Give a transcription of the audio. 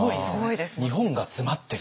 日本が詰まってる。